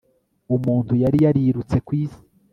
Umuntu yari yarirutse kwisi